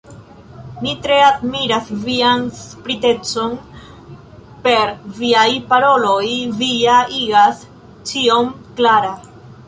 Mi tre admiras vian spritecon; per viaj paroloj vi ja igas ĉion klara.